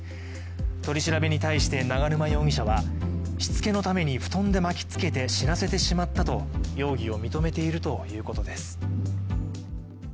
取り調べに対して永沼容疑者はしつけのために布団で巻きつけて死なせてしまったと容疑を認めているということです。